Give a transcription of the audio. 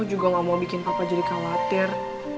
juga gak mau bikin papa jadi khawatir